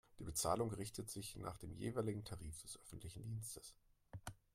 Die Bezahlung richtet sich nach dem jeweiligen Tarif des öffentlichen Dienstes.